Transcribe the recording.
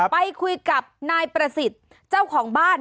ไปคุยกับนายประสิทธิ์เจ้าของบ้าน